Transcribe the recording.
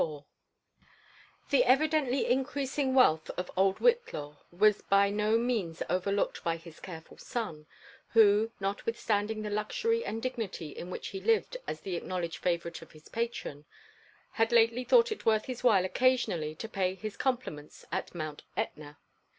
ff The evidently increasing wealth of old Whitlaw was bj no mnm overlooked by his eareful son, who, notwithstanding the luxury and dignity in which he lived as the acknowledged favourite of his pairon, had lately Uiought it worth his while occasionally io pay his Gooipli« meiits at Mount Etna.